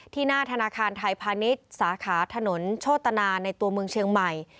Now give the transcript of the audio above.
หน้าธนาคารไทยพาณิชย์สาขาถนนโชตนาในตัวเมืองเชียงใหม่